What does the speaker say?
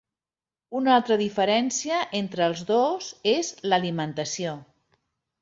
Una altra diferència entre els dos és l'alimentació.